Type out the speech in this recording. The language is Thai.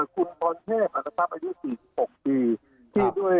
คุณบรรเทศนะครับอายุ๔๖ปี